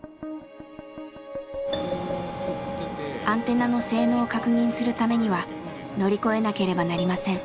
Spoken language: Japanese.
アンテナの性能を確認するためには乗り越えなければなりません。